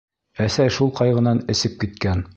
Әсәй шул ҡайғынан эсеп киткән.